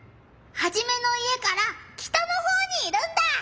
ハジメの家から北のほうにいるんだ！